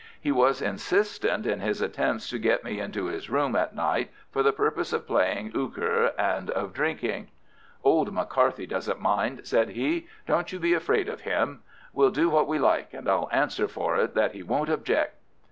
He was insistent in his attempts to get me into his room at night, for the purpose of playing euchre and of drinking. "Old McCarthy doesn't mind," said he. "Don't you be afraid of him. We'll do what we like, and I'll answer for it that he won't object."